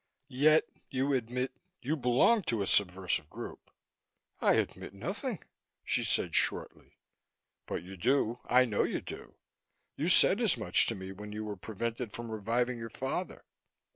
"Yet you admit you belong to a subversive group?" "I admit nothing," she said shortly. "But you do. I know you do. You said as much to me, when you were prevented from reviving your father."